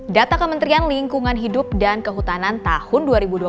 data kementerian lingkungan hidup dan kehutanan tahun dua ribu dua puluh